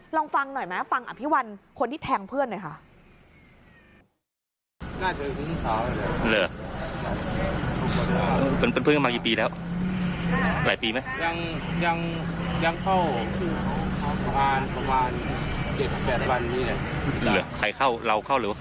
ลองฟังหน่อยไหมฟังอภิวัลคนที่แทงเพื่อนหน่อยค่ะ